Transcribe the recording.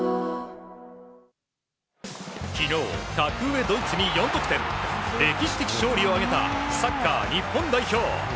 昨日、格上ドイツに４得点歴史的勝利を挙げたサッカー日本代表。